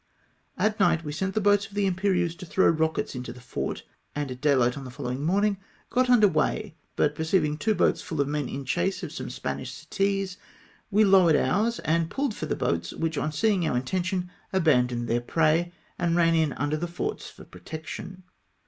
At night we sent the boats of the Imperieuse to throw rockets into the fort, and at dayhght on the fol lowing morning got under weigh, but perceiving two boats full of men in chase of some Spanish settees, we lowered ours, and pulled for the boats, which on seeing om" intention, abandoned their prey, and ran in under the forts for protection.